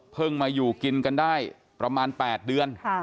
มาอยู่กินกันได้ประมาณ๘เดือน